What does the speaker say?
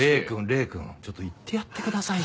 礼くんちょっと言ってやってくださいよ。